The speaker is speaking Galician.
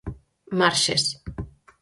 Marxes.